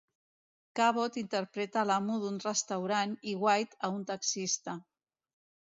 Cabot interpreta a l'amo d'un restaurant i White a un taxista.